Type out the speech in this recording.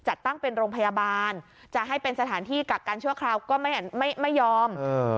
จัดตั้งเป็นโรงพยาบาลจะให้เป็นสถานที่กักกันชั่วคราวก็ไม่ยอม